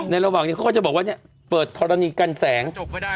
ในระหว่างนี้เขาก็จะบอกว่าเปิดทรณีกันแสง